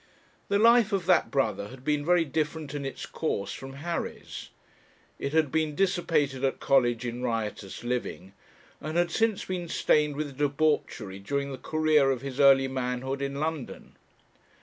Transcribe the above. The life of that brother had been very different in its course from Harry's; it had been dissipated at college in riotous living, and had since been stained with debauchery during the career of his early manhood in London.